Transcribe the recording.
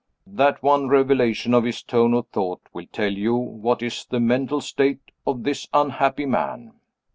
That one revelation of his tone of thought will tell you what is the mental state of this unhappy man.